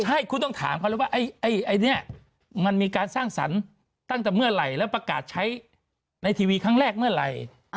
ใช่คุณต้องถามเขาเลยว่าไอ้เนี่ยมันมีการสร้างสรรค์ตั้งแต่เมื่อไหร่แล้วประกาศใช้ในทีวีครั้งแรกเมื่อไหร่